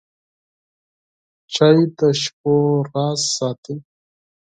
چای د شپو راز ساتي.